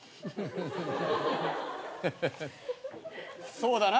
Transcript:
そうだな。